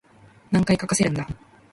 何回かかせるんだ